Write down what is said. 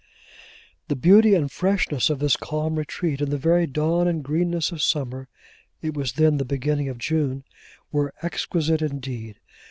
The beauty and freshness of this calm retreat, in the very dawn and greenness of summer—it was then the beginning of June—were exquisite indeed.